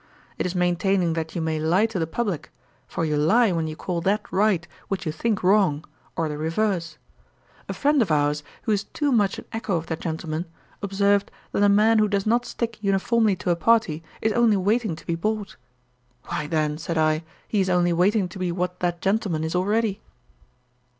It is maintaining that you may lie to the publick; for you lie when you call that right which you think wrong, or the reverse. A friend of ours, who is too much an echo of that gentleman, observed, that a man who does not stick uniformly to a party, is only waiting to be bought. Why then, said I, he is only waiting to be what that gentleman is already.'